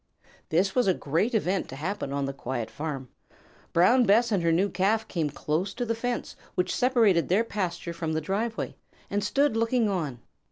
This was a great event to happen on the quiet farm. Brown Bess and her new Calf came close to the fence which separated their pasture from the driveway, and stood looking on.